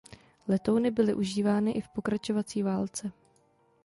Letouny byly užívány i v Pokračovací válce.